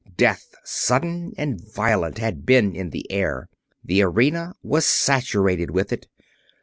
Death, sudden and violent, had been in the air. The arena was saturated with it.